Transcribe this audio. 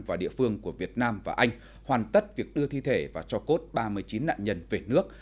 và địa phương của việt nam và anh hoàn tất việc đưa thi thể và cho cốt ba mươi chín nạn nhân về nước